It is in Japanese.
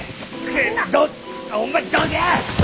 どお前どけ！